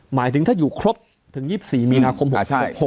หมายถึงถ้าอยู่ครบถึง๒๔มีนาคม๖๕